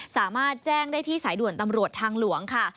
สามารถแจ้งได้ที่สายด่วนตำรวจทางหลวงค่ะ